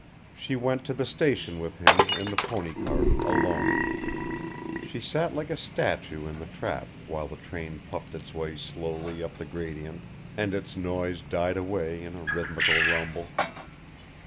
She went to the station with him in the pony cart alone. She sat like a statue in the trap while the train puffed its way slowly up the gradient and its noise died away in a rhythmical rumble.